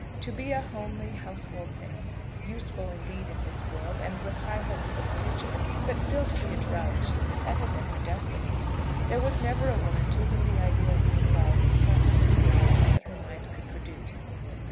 To be a homely, household thing, useful indeed in this world, and with high hopes for the future, but still to be a drudge; that had been her destiny. There was never a woman to whom the idea of being loved was not the sweetest thought that her mind could produce.